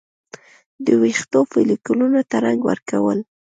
د ویښتو فولیکونو ته رنګ ورکول